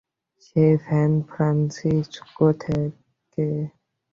সেই San Francisco থেকে।